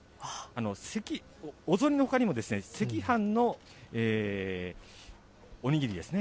お雑煮のほかにも、赤飯のお握りですね。